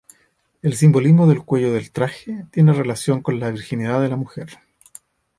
El simbolismo del cuello del traje tiene relación con la virginidad de la mujer.